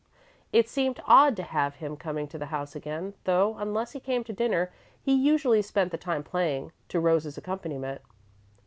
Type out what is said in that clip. It seemed odd to have him coming to the house again, though, unless he came to dinner, he usually spent the time playing, to Rose's accompaniment.